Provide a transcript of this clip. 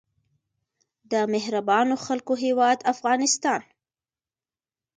د مهربانو خلکو هیواد افغانستان.